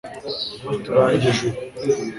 turangije ubu